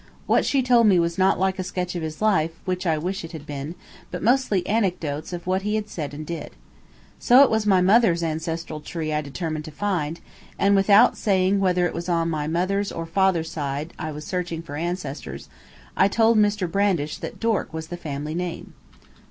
What she told me was not like a sketch of his life, which I wish it had been, but mostly anecdotes of what he said and did. So it was my mother's ancestral tree I determined to find, and without saying whether it was on my mother's or father's side I was searching for ancestors, I told Mr. Brandish that Dork was the family name.